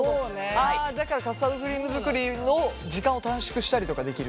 だからカスタードクリーム作りの時間を短縮したりとかできる？